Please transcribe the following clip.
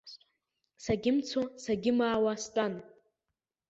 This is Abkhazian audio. Сагьымцо, сагьымаауа стәан.